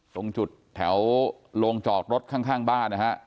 ตรงจุดแถวโรงจอดรถข้างบ้านนะฮะ